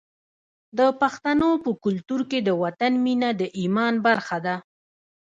د پښتنو په کلتور کې د وطن مینه د ایمان برخه ده.